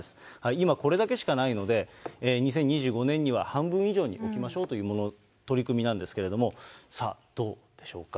今、これだけしかないので、２０２５年には半分以上に置きましょうという取り組みなんですけれども、さあ、どうでしょうか。